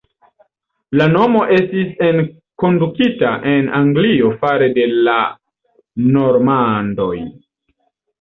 La nomo estis enkondukita en Anglio fare de la normandoj.